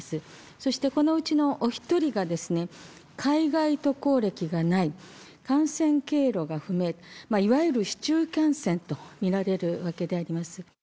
そして、このうちのお１人が海外渡航歴がない、感染経路が不明、いわゆる市中感染と見られるわけであります。